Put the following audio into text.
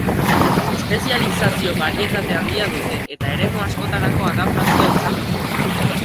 Espezializazio barietate handia dute, eta eremu askotarako adaptazioa izan dute.